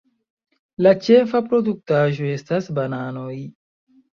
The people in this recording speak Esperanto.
La ĉefa produktaĵo estas bananoj.